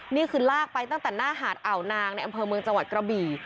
นี่คือลากไปตั้งแต่หน้าหาดอ่าวนางในอำเภอเมืองจังหวัดกระบี่